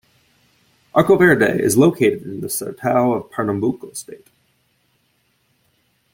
Arcoverde is located in the Sertao of Pernambuco state.